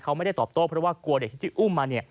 เขาไม่ได้ตอบโต้เพราะว่ากลัวเด็กที่อุ้มมา